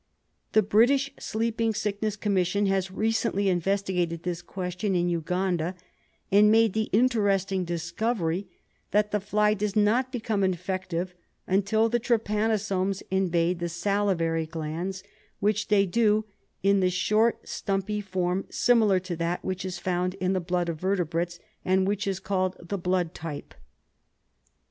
The British Sleeping Sickness Commission has recently investigated this question in Uganda, and made the interesting discovery that the fly does not become infective until the trypanosomes invade the salivary glands, which they do in the short stumpy form similar to that which is found in the blood of vertebrates, and which is called the "blood type."